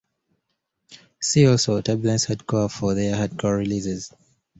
See also: Turbulence Hardcore for their Hardcore releases.